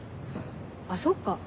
あっそっか。